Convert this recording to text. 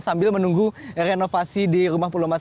sambil menunggu renovasi di rumah pulau mas